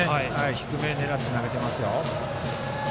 低めに狙って投げていますよ。